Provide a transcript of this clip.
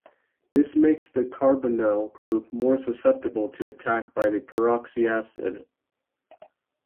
This makes the carbonyl group more susceptible to attack by the peroxyacid.